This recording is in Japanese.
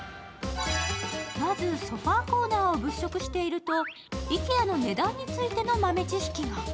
まずソファーコーナーを物色しているとＩＫＥＡの値段についての豆知識が。